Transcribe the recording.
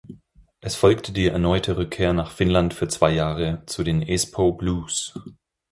Es folgte die erneute Rückkehr nach Finnland für zwei Jahre zu den Espoo Blues.